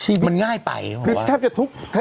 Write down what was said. ชีวิตง่ายไปเหรอวะ